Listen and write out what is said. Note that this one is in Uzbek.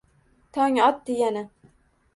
Tong otdi yana…